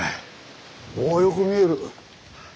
およく見える。